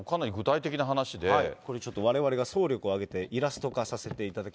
これ、ちょっとわれわれが総力を挙げて、イラスト化させていただいて。